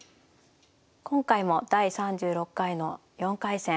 今回も第３６回の４回戦。